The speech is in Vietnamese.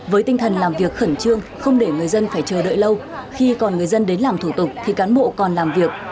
với tinh thần làm việc khẩn trương không để người dân phải chờ đợi lâu khi còn người dân đến làm thủ tục thì cán bộ còn làm việc